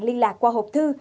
liên lạc qua hộp thư